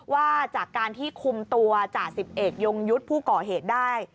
ว่าจากการที่คุมตัวจ่าสิบเอกยงยุทธ์ผู้ก่อเหตุได้